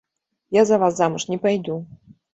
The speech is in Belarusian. Я за вас замуж не пайду.